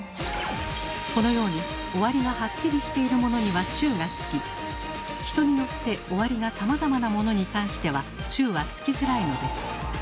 このように終わりがハッキリしているものには「中」がつき人によって終わりがさまざまなものに関しては「中」はつきづらいのです。